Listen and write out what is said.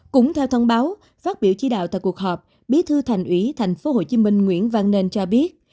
cũng theo thông báo phát biểu chỉ đạo tại cuộc họp bí thư thành ủy tp hcm nguyễn văn nên cho biết